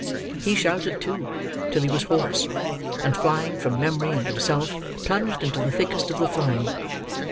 He shouted, too, till he was hoarse; and flying from memory and himself, plunged into the thickest of the throng.